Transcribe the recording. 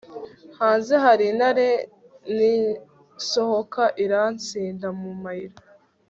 hanze hari intare ninsohoka irantsinda mu mayira